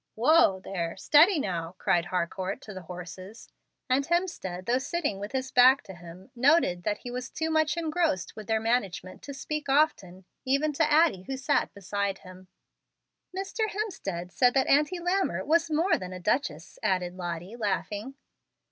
"Whoa there, steady now," cried Harcourt to the horses; and Hemstead, though sitting with his back to him, noted that he was too much engrossed with their management to speak often, even to Addie who sat beside him. "Mr. Hemstead said that Auntie Lammer was more than a duchess," added Lottie, laughing.